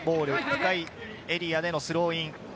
深いエリアでのスローイン。